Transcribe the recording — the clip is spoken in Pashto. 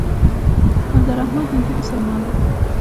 عبدالرحمن هندو مسلمان وو.